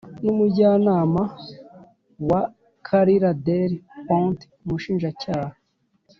n'umujyanama wa carla del ponte, umushinjacyaha